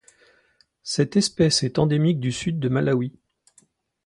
Cette espèce est endémique du Sud du Malawi.